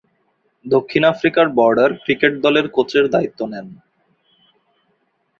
দক্ষিণ আফ্রিকার border cricket দলের কোচের দায়িত্ব নেন।